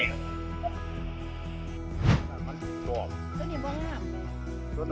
ตัวนี้มันห้าม